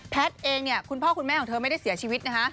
เองเนี่ยคุณพ่อคุณแม่ของเธอไม่ได้เสียชีวิตนะคะ